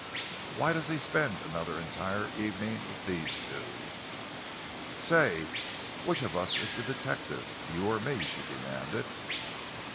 Why does he spend another entire evening with these two?" "Say, which of us is the detective you or me?" she demanded.